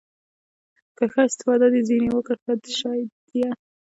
که ښه استفاده دې ځنې وکړه ښه شى ديه.